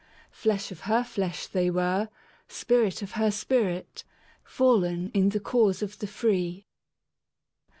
Flesh of her flesh they were, spirit of her spirit, Fallen in the cause of the free.